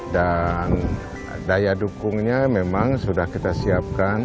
dan daya dukungnya memang sudah kita siapkan